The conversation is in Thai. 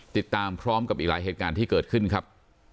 ติดตามพร้อมกับอีกหลายเหตุการณ์ที่เกิดขึ้นครับ